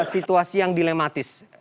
situasi yang dilematis